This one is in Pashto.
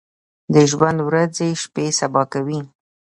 د ژوند ورځې شپې سبا کوي ۔